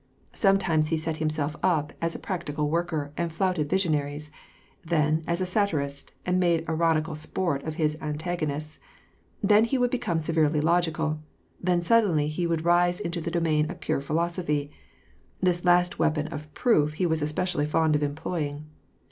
Sometimes he set himself up as a practical worker, and flouted visionaries ; then as a satirist, and made ironical sport of his antagonists ; then he would become severely logical ; then suddenly he would rise into the domain of pure philosophy. (This last weapon of proof he was especially fond of employing.)